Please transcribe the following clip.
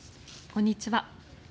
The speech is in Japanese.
こんにちは。